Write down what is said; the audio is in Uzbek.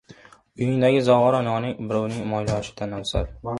• Uyingdagi zog‘ora noning birovning moyli oshidan afzal.